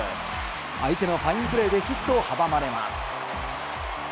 相手のファインプレーでヒットを阻まれます。